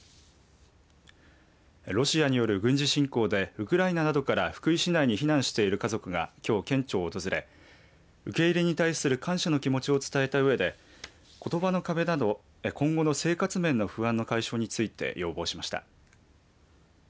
ロシアによる軍事侵攻でウクライナなどから福井市内に避難している家族がきょう県庁を訪れ受け入れに対する感謝の気持ちを伝えたうえでことばの壁など今後の生活面の不安の解消について要望しました。